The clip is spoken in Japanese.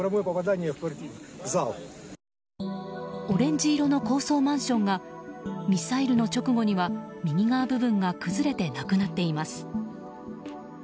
オレンジ色の高層マンションがミサイルの直後には右側部分が崩れてなくなっています。